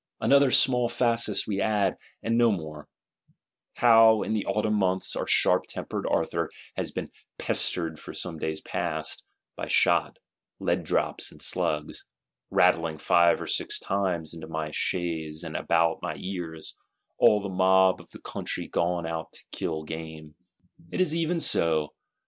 Another small phasis we add, and no more: how, in the Autumn months, our sharp tempered Arthur has been "pestered for some days past," by shot, lead drops and slugs, "rattling five or six times into my chaise and about my ears;" all the mob of the country gone out to kill game! It is even so.